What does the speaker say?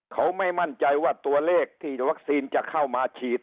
เขาไม่มั่นใจว่าตัวเลขที่วัคซีนจะเข้ามาฉีด